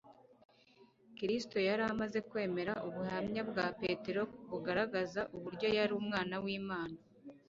Kristo yari amaze kwemera ubuhamya bwa Petero bugaragaza uburyo ari Umwana w'Imana;